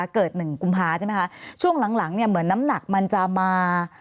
เกิดหนึ่งกุมภาใช่ไหมคะช่วงหลังเนี่ยเหมือนน้ำหนักมันจะมา